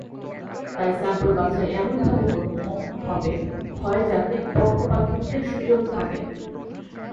তাই স্যাম্পল বাছাই এমনভাবে করতে হবে হয় যাতে পক্ষপাতিত্বের সুযোগ থাকেনা।